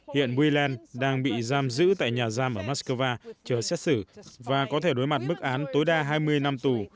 hiện willand đang bị giam giữ tại nhà giam ở moscow chờ xét xử và có thể đối mặt mức án tối đa hai mươi năm tù